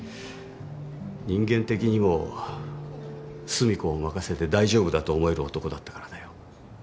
人間的にも寿美子を任せて大丈夫だと思える男だったからだよ。